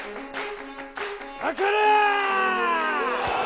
かかれ！